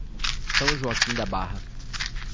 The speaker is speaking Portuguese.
São Joaquim da Barra